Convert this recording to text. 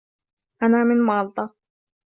أنا من مالطا.